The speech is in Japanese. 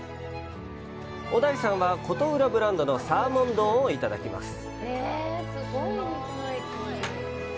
小田井さんは、琴浦ブランドのサーモン丼をいただきます。